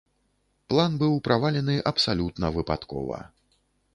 План быў правалены абсалютна выпадкова.